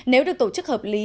nếu được tổ chức hợp lý